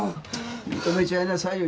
認めちゃいなさいよ。